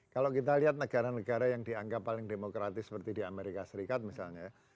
kalau kita lihat negara negara yang dianggap paling demokratis seperti di amerika serikat misalnya ya